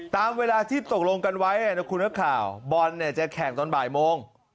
ตามเวลาที่ตกลงกันไว้นะคุณนักข่าวบอลเนี่ยจะแข่งตอนบ่ายโมง